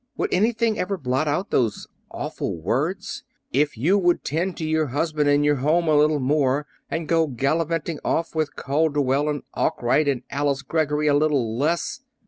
Would anything ever blot out those awful words: "If you would tend to your husband and your home a little more, and go gallivanting off with Calderwell and Arkwright and Alice Greggory a little less